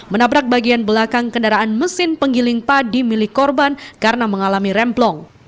menabrak bagian belakang kendaraan mesin penggiling padi milik korban karena mengalami remblong